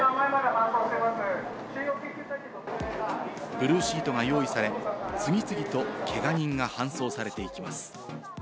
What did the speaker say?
ブルーシートが用意され、次々とけが人が搬送されていきます。